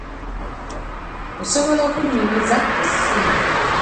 Osobola okunyumiza ku ssimu.